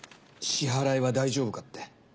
支払いは大丈夫かって。